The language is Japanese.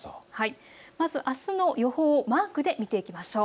まずあすの予報をマークで見ていきましょう。